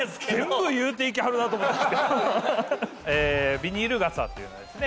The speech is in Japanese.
ビニール傘というのはですね